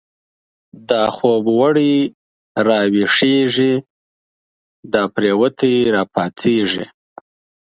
دا خوب وړی راويښږی، دا پريوتی را پا څيږی